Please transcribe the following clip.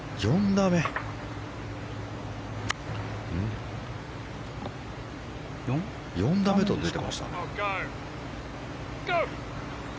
４打目と出ていました。